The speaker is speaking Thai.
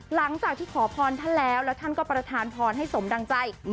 หลังจากที่ขอพรท่านแล้วแล้วท่านก็ประธานพรให้สมดังใจ